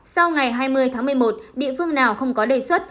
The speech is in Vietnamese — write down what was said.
sau ngày hai mươi tháng một mươi một địa phương nào không có đề xuất